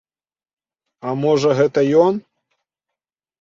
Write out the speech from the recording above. А можа, гэта ён?